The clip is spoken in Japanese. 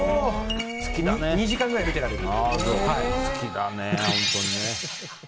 ２時間くらい見てられる。